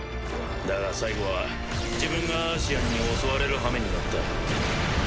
だが最後は自分がアーシアンに襲われるはめになった。